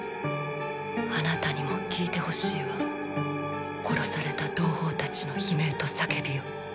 あなたにも聞いてほしいわ殺された同胞たちの悲鳴と叫びを。